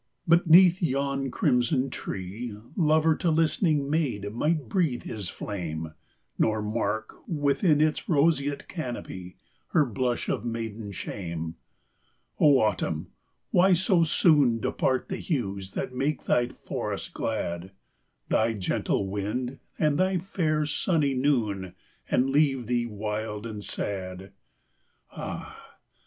But 'neath yon crimson tree, Lover to listening maid might breathe his flame, Nor mark, within its roseate canopy, Her blush of maiden shame. Oh, Autumn! why so soon Depart the hues that make thy forests glad; Thy gentle wind and thy fair sunny noon, And leave thee wild and sad! Ah!